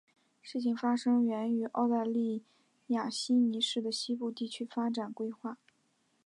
事件发生的原因是澳大利亚悉尼市的西部地区的发展规划。